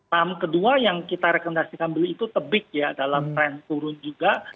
saham kedua yang kita rekomendasikan beli itu tebik ya dalam tren turun juga